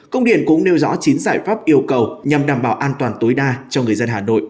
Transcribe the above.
công điện cũng nêu rõ chín giải pháp yêu cầu nhằm đảm bảo an toàn tối đa cho người dân hà nội